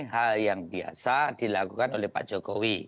hal yang biasa dilakukan oleh pak jokowi